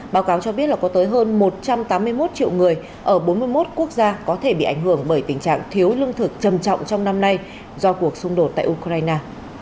báo cáo cho biết là có tới hơn một trăm tám mươi một triệu người ở bốn mươi một quốc gia có thể bị ảnh hưởng bởi tình trạng thiếu lương thực trầm trọng trong năm nay do cuộc xung đột tại ukraine